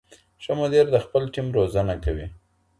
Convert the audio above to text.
ښه مدیر د خپل ټیم روزنه کوي.